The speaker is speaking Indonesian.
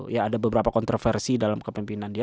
ya ada beberapa kontroversi dalam kepemimpinan dia